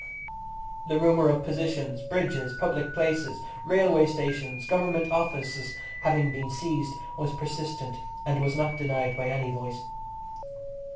The rumour of positions, bridges, public places, railway stations, Government offices, having been seized was persistent, and was not denied by any voice.